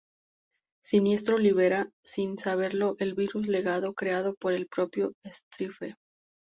Siniestro libera sin saberlo el Virus Legado creado por el propio Stryfe.